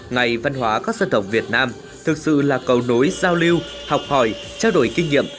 ngày văn hóa các dân tộc việt nam thực sự là cầu nối giao lưu học hỏi trao đổi kinh nghiệm